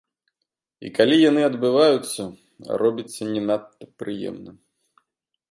І калі яны адбываюцца, робіцца не надта прыемна.